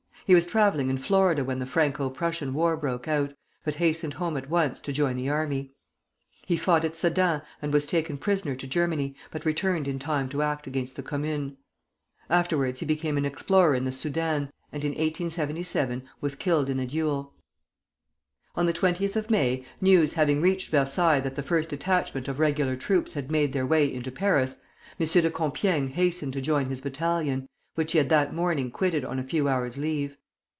He was travelling in Florida when the Franco Prussian war broke out, but hastened home at once to join the army. He fought at Sedan and was taken prisoner to Germany, but returned in time to act against the Commune. Afterwards he became an explorer in the Soudan, and in 1877 was killed in a duel. [Footnote 1: His narrative was published in the "Supplément Littéraire du Figaro."] On the 20th of May, news having reached Versailles that the first detachment of regular troops had made their way into Paris, M. de Compiègne hastened to join his battalion, which he had that morning quitted on a few hours' leave.